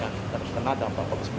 yang terkena dampak covid sembilan belas